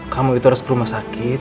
kamu itu harus ke rumah sakit